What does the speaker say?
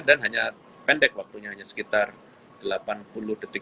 dan hanya pendek waktunya sekitar delapan puluh detik